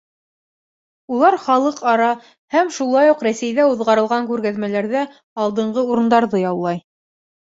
Улар халыҡ-ара һәм шулай уҡ Рәсәйҙә уҙғарылған күргәҙмәләрҙә алдынғы урындарҙы яулай.